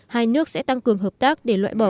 hai nước sẽ tăng cường hợp tác để loại bỏ